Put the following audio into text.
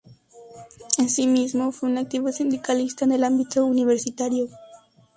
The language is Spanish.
Asimismo, fue un activo sindicalista en el ámbito universitario.